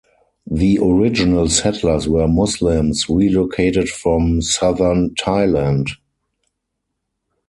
The original settlers were Muslims relocated from southern Thailand.